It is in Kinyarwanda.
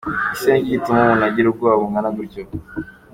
Ese ni iki gituma umuntu agira ubwoba bungana gutyo?.